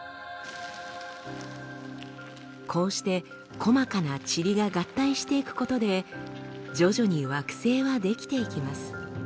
こうして細かなチリが合体していくことで徐々に惑星は出来ていきます。